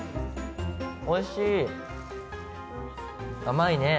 おいしいー。